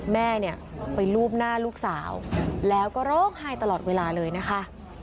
แม่เนี่ยไปลูบหน้าลูกสาวแล้วก็ร้องไห้ตลอดเวลาเลยนะคะ